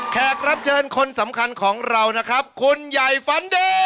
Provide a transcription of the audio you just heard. แขกรับเชิญคนสำคัญของเรานะครับคุณใหญ่ฝันดี